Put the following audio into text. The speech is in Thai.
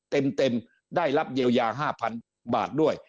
ได้รับเยียวยา๕๐๐๐บาทด้วย